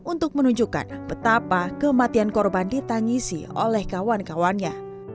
untuk menunjukkan betapa kematian korban ditangisi oleh kawan kawannya